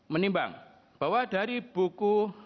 menimbang bahwa dari buku